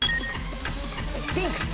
ピンク。